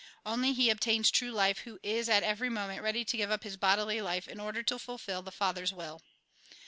Only he obtains true life who is, at every moment, ready to give up his bodily life in order to fulfil the Father's will.